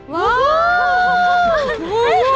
ว้าว